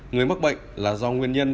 người mắc bệnh là do nguyên nhân